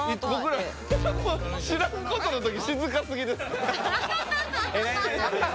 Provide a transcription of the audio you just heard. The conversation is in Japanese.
知らんことのとき静かすぎです。